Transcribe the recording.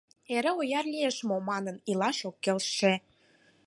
«Эре ояр лиеш мо...» манын илаш ок келше.